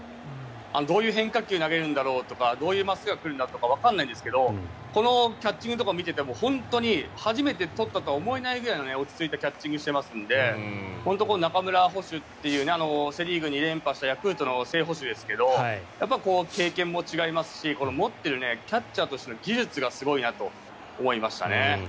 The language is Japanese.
どういう変化球投げるんだろうとかどういう真っすぐが来るんだとかわからないですけどこのキャッチングとかを見ていても本当に初めてとったとは思えないぐらいの落ち着いたキャッチングをしてますので、中村捕手というセ・リーグ２連覇したヤクルトの正捕手ですけど経験も違いますし持っているキャッチャーとしての技術がすごいなと思いましたね。